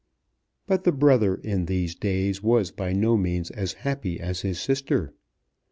But the brother in these days was by no means as happy as his sister.